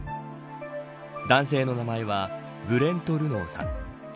男性の名前はブレント・ルノーさん。